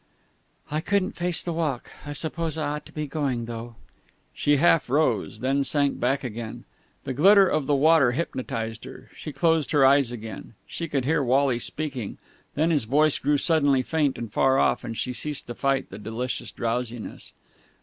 "I couldn't face the walk. I suppose I ought to be going, though." She half rose, then sank back again. The glitter of the water hypnotized her. She closed her eyes again. She could hear Wally speaking, then his voice grew suddenly faint and far off, and she ceased to fight the delicious drowsiness.